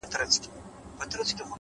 هوښیاري د لومړیتوبونو پېژندل دي,